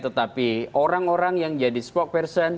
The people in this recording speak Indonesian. tetapi orang orang yang jadi spokesperson